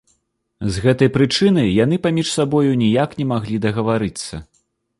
З гэтай прычыны яны паміж сабою ніяк не маглі дагаварыцца.